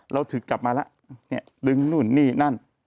ถือกลับมาแล้วเนี่ยดึงนู่นนี่นั่น